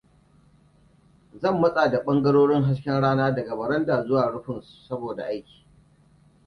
Zan matsa da bangarorin hasken rana daga baranda zuwa rufin saboda aiki.